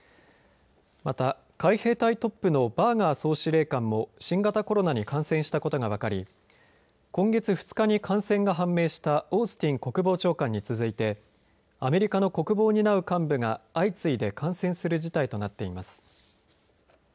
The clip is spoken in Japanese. また、海兵隊トップのバーガー総司令官も新型コロナに感染したことが分かり、今月２日に感染が判明したオースティン国防長官に続いてアメリカの国防を担う幹部が相次いで感染する事態となっています。